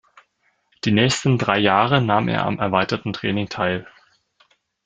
Die nächsten drei Jahre nahm er am erweiterten Training teil.